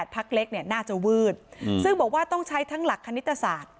พักเล็กเนี่ยน่าจะวืดซึ่งบอกว่าต้องใช้ทั้งหลักคณิตศาสตร์